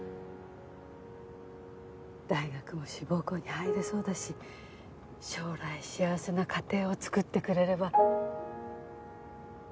大学も志望校に入れそうだし将来幸せな家庭を作ってくれれば。